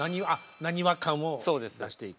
なにわ感を出していく。